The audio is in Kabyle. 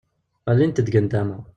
Ɣellint-d deg nndama.